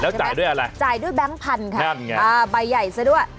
จ่ายด้วยอะไรจ่ายด้วยแก๊งพันธุ์ค่ะนั่นไงอ่าใบใหญ่ซะด้วย